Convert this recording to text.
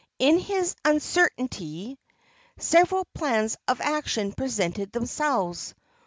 In his uncertainty several plans of action presented themselves.